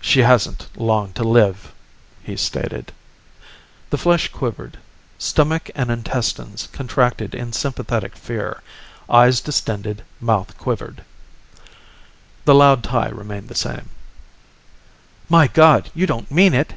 "She hasn't long to live," he stated. The flesh quivered. Stomach and intestines contracted in sympathetic fear. Eyes distended, mouth quivered. The loud tie remained the same. "My God! You don't mean it!"